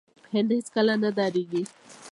هند هیڅکله نه دریږي.